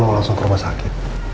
mau langsung ke rumah sakit